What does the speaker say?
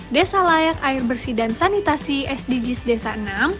desa layak air bersih dan sanitasi sdgs desa enam